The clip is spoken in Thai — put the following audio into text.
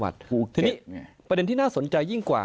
ทีนี้ประเด็นที่น่าสนใจยิ่งกว่า